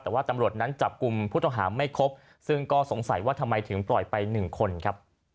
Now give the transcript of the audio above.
แต่ว่าตำรวจนั้นจับกลุ่มผู้ต้องหาไม่ครบซึ่งก็สงสัยว่าทำไมถึงปล่อยไป๑คนครับ